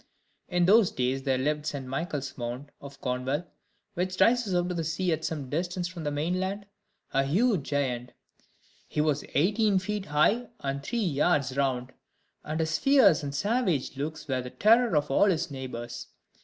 In those days there lived on St. Michael's Mount, of Cornwall, which rises out of the sea at some distance from the mainland, a huge giant. He was eighteen feet high, and three yards round; and his fierce and savage looks were the terror of all his neighbors.